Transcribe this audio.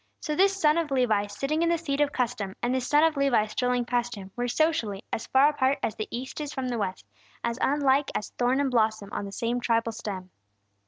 So this son of Levi, sitting in the seat of custom, and this son of Levi strolling past him, were, socially, as far apart as the east is from the west, as unlike as thorn and blossom on the same tribal stem.